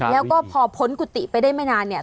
แล้วก็พอพ้นกุฏิไปได้ไม่นานเนี่ย